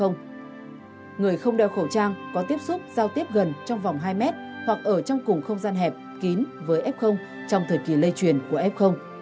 người không đeo khẩu trang có tiếp xúc giao tiếp gần trong vòng hai mét hoặc ở trong cùng không gian hẹp kín với f trong thời kỳ lây truyền của f